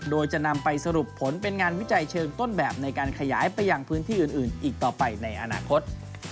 โดยจะนำไปสรุปผลเป็นงานวิจัยเชิงต้นแบบในการขยายไปยังพื้นที่อื่นอีกต่อไปในอนาคต